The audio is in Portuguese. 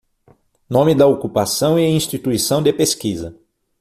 Nome da ocupação e instituição de pesquisa